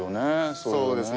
そうですね。